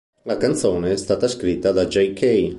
La canzone è stata scritta da Jay Kay.